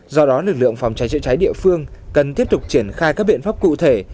do đó lực lượng phòng cháy chữa cháy địa phương cần tiếp tục triển khai các biện pháp cụ thể